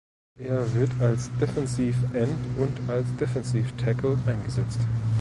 Er wird als Defensive End und als Defensive Tackle eingesetzt.